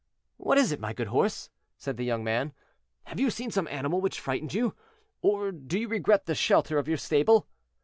"What is it, my good horse?" said the young man; "have you seen some animal which frightened you, or do you regret the shelter of your stable?"